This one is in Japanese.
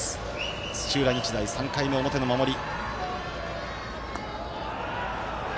土浦日大、３回の表の守り。